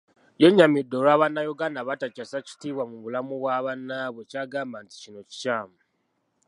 Yennyamidde olwa bannayuganda abatakyasa kitiibwa mu bulamu bwa bannaabwe kyagamba nti kino kikyamu.